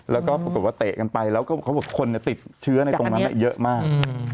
แล้วก็ปรากฏว่าเตะกันไปแล้วก็เขาบอกคนติดเชื้อในตรงนั้นเยอะมาก